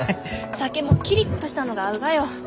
酒もキリッとしたのが合うがよ。